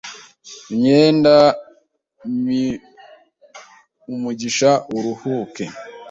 Imyenda mibiumugisha uruhuke